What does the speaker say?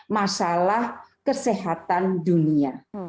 masalah kesehatan dunia